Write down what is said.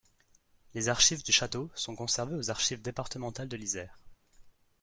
Les archives du château sont conservées aux Archives départementales de l'Isère.